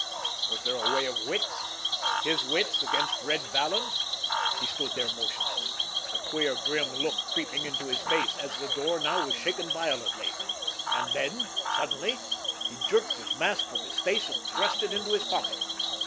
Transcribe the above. Was there a way of wits? His wits against Red Vallon's! He stood there motionless, a queer, grim look creeping into his face, as the door now was shaken violently. And then, suddenly, he jerked his mask from his face, and thrust it into his pocket.